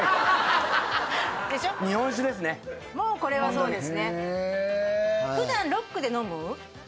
もうこれはそうですね。